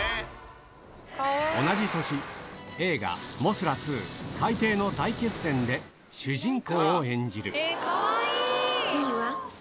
同じ年映画『モスラ２海底の大決戦』で主人公を演じるいいわ。